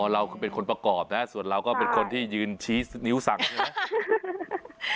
เราคือเป็นคนประกอบนะส่วนเราก็เป็นคนที่ยืนชี้นิ้วสั่งใช่ไหม